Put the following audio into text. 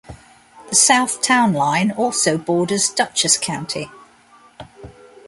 The south town line also borders Dutchess County.